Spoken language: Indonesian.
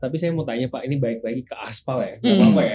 tapi saya mau tanya pak ini balik lagi ke aspal ya